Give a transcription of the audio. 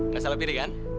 gak salah pilih kan